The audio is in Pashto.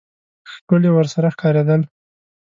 ښکلي ورسره ښکارېدل.